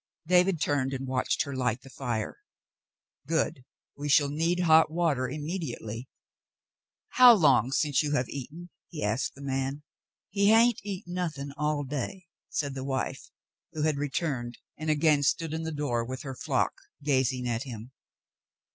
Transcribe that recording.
David turned and watched her light the fire. "Good. We shall need hot water immediately. How long since you have eaten ?*' he asked the man. "He hain't eat nothing all day," said the wife, who had returned and again stood in the door with all her flock, gazing at him.